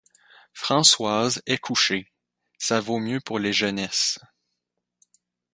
Françoise est couchée, ça vaut mieux pour les jeunesses.